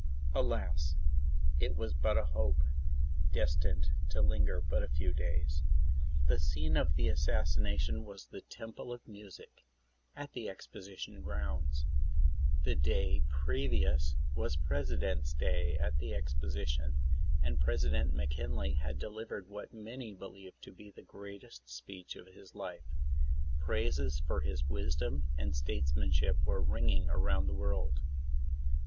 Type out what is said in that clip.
Alas! It was but a hope, destined to linger but a few days. The scene of the assassination was the Temple of Music, at the Exposi tion grounds. Tlie day previous was President's day at the Exposition, and President McKinley had delivered v. hat many believed to be the greatest Z2 34 THE ASSASSINATION OF PRESIDENT McKINLEY. speech of his hfe. Praises for his wisdom and statesmanship were ringing around the world.